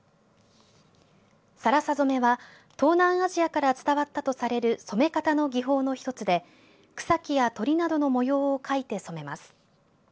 更紗染めは東南アジアから伝わったとされる染め方の技法の一つで草木や鳥などの模様を描いて染めます。